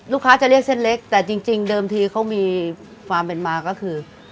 ลูกค้าจะเรียกเส้นเล็กแต่จริงเดิมทีเขามีความเป็นมาก็คือ